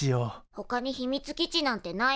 ほかに秘密基地なんてないわ。